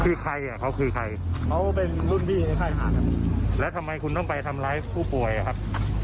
คือใครอ่ะเขาคือใครเขาเป็นรุ่นพี่ในค่ายหากันแล้วทำไมคุณต้องไปทำร้ายผู้ป่วยอ่ะครับ